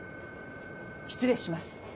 失礼します。